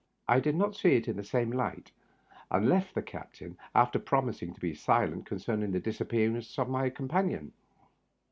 I did not see it in the same light, and left the captain after promising to be silent concerning the disappearance of my companion.